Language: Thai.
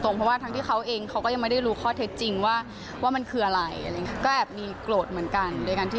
เพราะว่าทั้งที่เขาเองเขาก็ยังไม่ได้รู้ข้อเท็จจริงว่ามันคืออะไรก็แอบมีโกรธเหมือนกัน